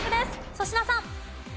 粗品さん。